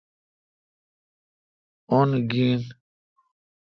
اؙن گین۔